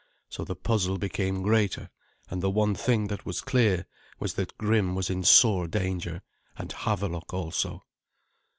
So the puzzle became greater, and the one thing that was clear was that Grim was in sore danger, and Havelok also.